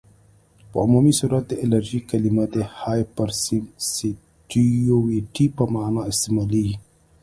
په عمومي صورت د الرژي کلمه د هایپرسینسیټیويټي په معنی استعمالیږي.